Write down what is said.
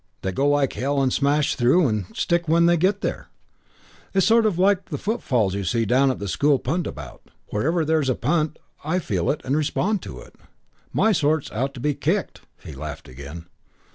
They go like hell and smash through and stick when they get there. My sort's like the footballs you see down at the school punt about. Wherever there's a punt I feel it and respond to it. My sort's out to be kicked " He laughed again.